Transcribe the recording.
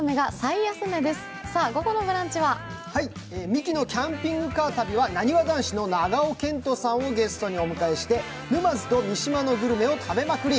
「ミキのキャンピングカーの旅」はなにわ男子の長尾謙杜さんをゲストにお迎えして沼津と三島のグルメを食べまくり。